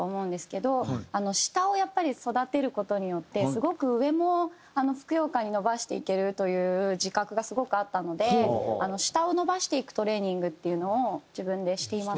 下をやっぱり育てる事によってすごく上もふくよかに伸ばしていけるという自覚がすごくあったので下を伸ばしていくトレーニングっていうのを自分でしています。